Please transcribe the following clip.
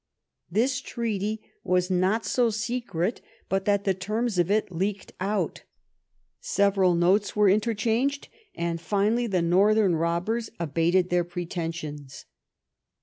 This treaty was not so secret but that the terms of it leaked out. Several notes were interchanged, and finally the northern robbers abated their pretensions.